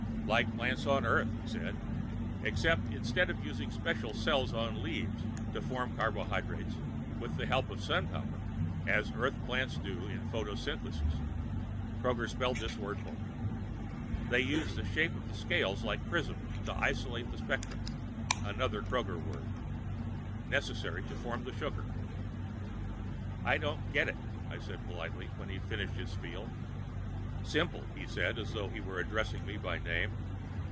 Like plants, on Earth, he said. Except, instead of using special cells on leaves to form carbohydrates with the help of sunpower, as Earth plants do in photosynthesis (Kroger spelled that word for me), they used the shape of the scales like prisms, to isolate the spectra (another Kroger word) necessary to form the sugar. "I don't get it," I said politely, when he'd finished his spiel. "Simple," he said, as though he were addressing me by name.